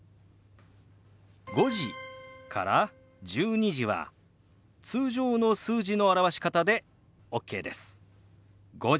「５時」から「１２時」は通常の数字の表し方でＯＫです。